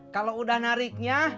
kalau udah nariknya